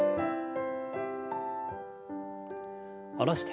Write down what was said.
下ろして。